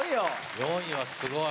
４位はすごい。